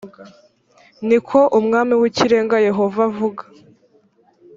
ni ko umwami w ikirenga yehova avuga